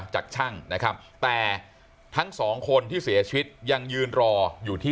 จากช่างนะครับแต่ทั้งสองคนที่เสียชีวิตยังยืนรออยู่ที่